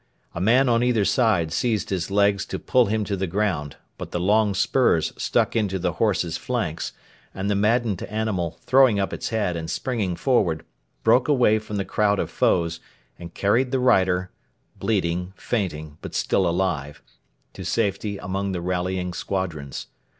A man on either side seized his legs to pull him to the ground; but the long spurs stuck into the horse's flanks, and the maddened animal, throwing up its head and springing forward, broke away from the crowd of foes, and carried the rider bleeding, fainting, but still alive to safety among the rallying squadrons.